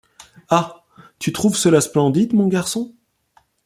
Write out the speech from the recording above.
Ah ! tu trouves cela splendide, mon garçon !